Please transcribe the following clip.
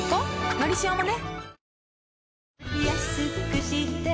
「のりしお」もね